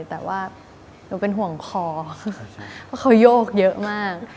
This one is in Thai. แต่ว่าหนูเป็นห่วงคอเคารึกเรื่องเยอะมาก